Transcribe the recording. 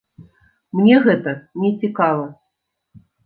Мне гэта не цікава!